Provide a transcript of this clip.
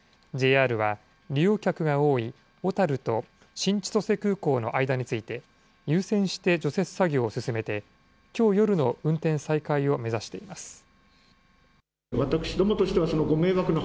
ＪＲは利用客が多い小樽と新千歳空港の間について、優先して除雪作業を進めて、きょう夜の運転再開を目指しています。